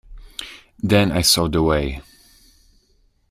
Then I saw the way.